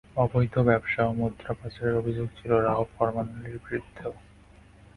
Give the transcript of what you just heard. অবৈধ ব্যবসা ও মুদ্রা পাচারের অভিযোগ ছিল রাও ফরমান আলীর বিরুদ্ধেও।